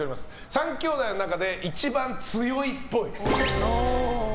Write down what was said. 三兄妹のなかで一番強いっぽい。